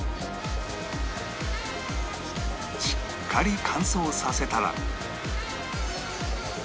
しっかり乾燥させたら